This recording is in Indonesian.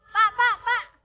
pak pak pak